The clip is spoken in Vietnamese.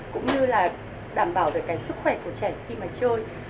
cũng như là đảm bảo về cái sức khỏe của trẻ khi mà chơi